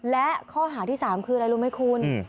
และข้อหาที่๓คืออะไรรู้ไหมคุณ